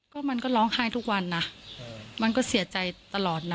ก็มันก็ร้องไห้ทุกวันนะมันก็เสียใจตลอดนะ